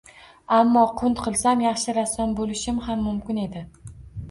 Ammo qunt qilsam, yaxshi rassom bo‘lishim ham mumkin edi.